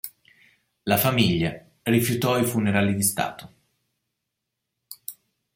La famiglia rifiutò i funerali di Stato.